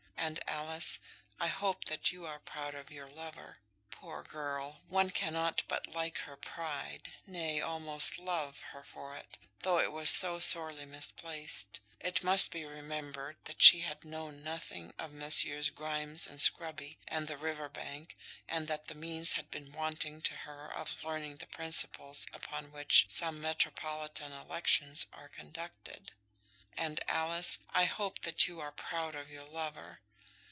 And, Alice, I hope that you are proud of your lover." Poor girl! One cannot but like her pride, nay, almost love her for it, though it was so sorely misplaced. It must be remembered that she had known nothing of Messrs. Grimes and Scruby, and the River Bank, and that the means had been wanting to her of learning the principles upon which some metropolitan elections are conducted. "And, Alice, I hope that you are proud of your lover!"